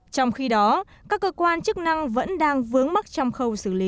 trong khi đó các cơ quan chức năng vẫn đang vướng mắc trong khâu xử lý